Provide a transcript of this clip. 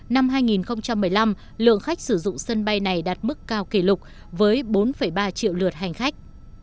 năm hai nghìn một mươi năm lượng khách sử dụng sân bay này đạt mức cao kỷ lục với bốn ba triệu lượt hành khách